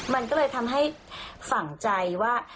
มันก็เลยทำให้ฝั่งใจว่า